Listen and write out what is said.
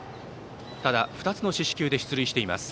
ただ、２つの四死球で出塁しています。